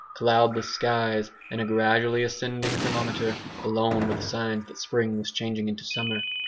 Cloudless skies and a gradually ascending thermometer alone were the signs that spring was changing into summer.